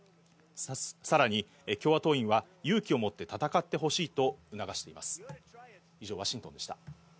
さらに共和党員は、勇気を持って戦ってほしいと促しています。